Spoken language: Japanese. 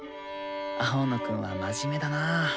青野くんは真面目だなあ。